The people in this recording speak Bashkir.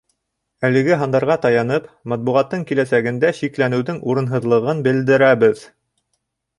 Әлеге һандарға таянып, матбуғаттың киләсәгендә шикләнеүҙең урынһыҙлығын белдерәбеҙ.